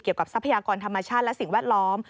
ทรัพยากรธรรมชาติและสิ่งแวดล้อม